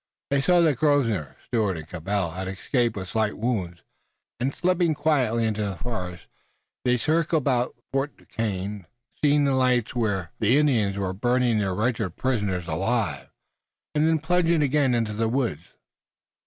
They saw that Grosvenor, Stuart and Cabell had escaped with slight wounds, and, slipping quietly into the forest, they circled about Fort Duquesne, seeing the lights where the Indians were burning their wretched prisoners alive, and then plunging again into the woods.